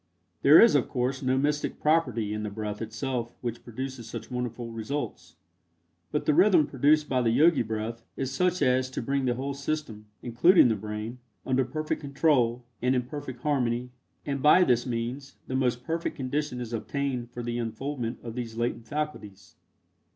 There is of course no mystic property in the breath itself which produces such wonderful results, but the rhythm produced by the Yogi breath is such as to bring the whole system, including the brain, under perfect control, and in perfect harmony, and by this means, the most perfect condition is obtained for the unfoldment of these latent faculties.